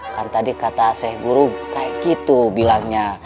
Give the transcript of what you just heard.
kan tadi kata seh guru kaya gitu bilangnya